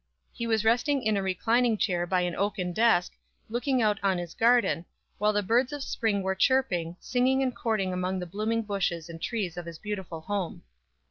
He was resting in a reclining chair by an oaken desk, looking out on his garden, while the birds of spring were chirping, singing and courting among the blooming bushes and trees of his beautiful home.